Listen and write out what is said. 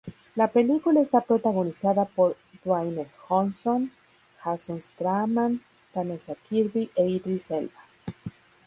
La película está protagonizada por Dwayne Johnson, Jason Statham, Vanessa Kirby e Idris Elba.